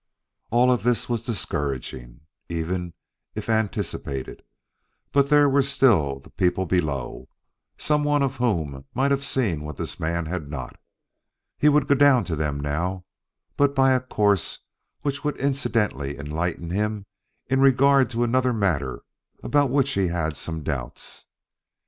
All of this was discouraging, even if anticipated; but there were still the people below, some one of whom might have seen what this man had not. He would go down to them now, but by a course which would incidentally enlighten him in regard to another matter about which he had some doubts.